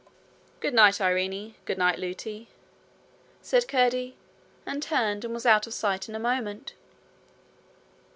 'Good night, Irene; good night, Lootie,' said Curdie, and turned and was out of sight in a moment.